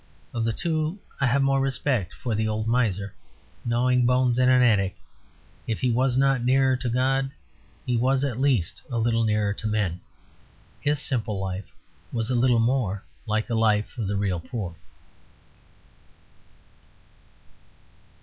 Of the two I have more respect for the old miser, gnawing bones in an attic: if he was not nearer to God, he was at least a little nearer to men. His simple life was a little more like the life of the real poor.